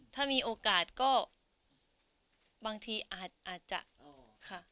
ถ้ามีโอกาสก็บางทีอาจจะค่ะ